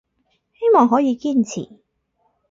希望可以堅持